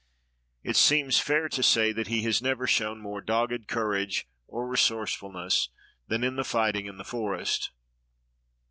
It seems fair to say that he has never shown more dogged courage or resourcefulness than in the fighting in the forest.